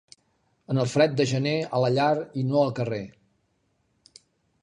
En el fred de gener, a la llar i no al carrer.